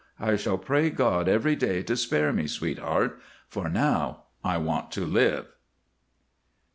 I shall pray God every day to spare me, sweetheart, for now I want to live."